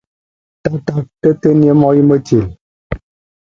A ná wowo halɛn o mokolo a wúwu mokata fuemiek, a ná wowo halɛna.